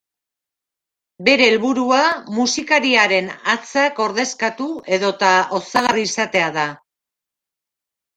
Bere helburua musikariaren hatzak ordezkatu edota osagarri izatea da.